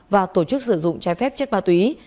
và tổ chức sử dụng trái phép chất ma túy